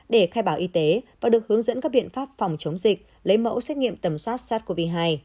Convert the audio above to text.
để khai báo y tế và được hướng dẫn các biện pháp phòng chống dịch lấy mẫu xét nghiệm tầm soát sars cov hai